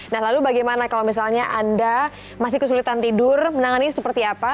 nah lalu bagaimana kalau misalnya anda masih kesulitan tidur menangani seperti apa